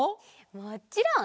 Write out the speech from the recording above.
もちろん！